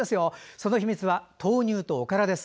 その秘密は豆乳とおからです。